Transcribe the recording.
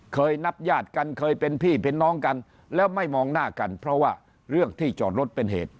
เคยนับญาติกันเคยเป็นพี่เป็นน้องกันแล้วไม่มองหน้ากันเพราะว่าเรื่องที่จอดรถเป็นเหตุ